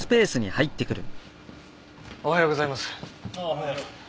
おはようございます。